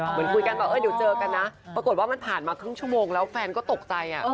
เหมือนคุยกันว่าเดี๋ยวเจอกันนะปรากฏว่ามันผ่านมาครึ่งชั่วโมงแล้วแฟนก็ตกใจ